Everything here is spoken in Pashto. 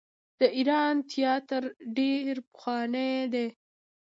د ایران تیاتر ډیر پخوانی دی.